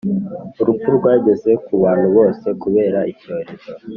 Urupfu rwageze ku bantu bose kubera icyorezo